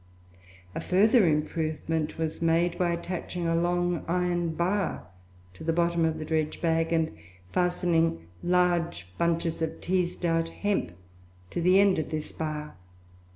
A further improvement was made by attaching a long iron bar to the bottom of the dredge bag, and fastening large bunches of teased out hemp to the end of this bar.